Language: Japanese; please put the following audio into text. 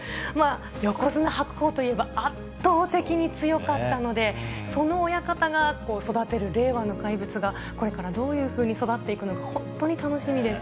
横綱・白鵬といえば、圧倒的に強かったので、その親方が育てる、令和の怪物が、これからどういうふうに育っていくのか、本当に楽しみです。